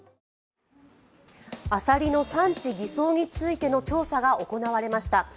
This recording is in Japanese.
アサリの産地偽装についての調査が行われました。